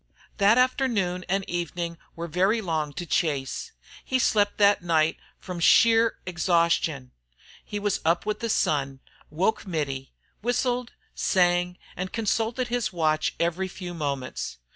The afternoon and evening were very long to Chase. He slept that night from sheer exhaustion. He was up with the sun, woke Mittie, whistled, sang, and consulted his watch every few moments.